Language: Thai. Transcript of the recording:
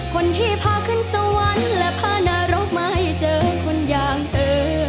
คนที่พาขึ้นสวรรค์และพานรกมาให้เจอคนอย่างเธอ